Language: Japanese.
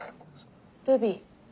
ルビー。